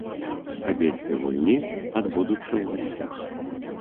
Абедзве гульні адбудуцца ў гасцях.